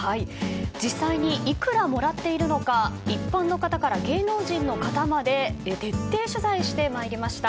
実際にいくらもらっているのか一般の方から芸能人の方まで徹底取材してまいりました。